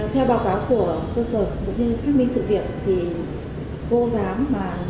theo báo cáo của cơ sở cũng như xác minh sự việc thì vô giám mà như như một chí